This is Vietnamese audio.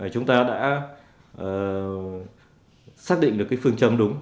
chúng ta đã xác định được phương châm đúng